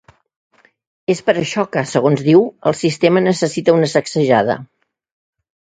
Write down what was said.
És per això que, segons diu, ‘el sistema necessita una sacsejada’.